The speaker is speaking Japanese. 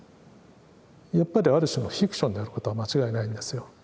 やっぱりある種のフィクションであることは間違いないんですよ。